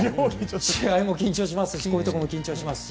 試合も緊張しますしこういうところも緊張しますし。